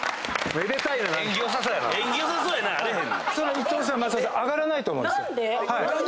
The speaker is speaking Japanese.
伊藤さん松尾さん上がらないと思うんですよ。